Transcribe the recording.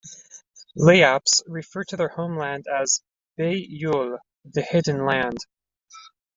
Layaps refer to their homeland as "Be-yul" - "the hidden land.